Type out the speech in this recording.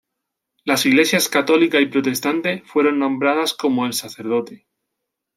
Las iglesias católica y protestante fueron nombradas como el sacerdote.